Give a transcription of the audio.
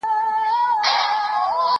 پرون او نن مي تر اته زره زياتي جملې.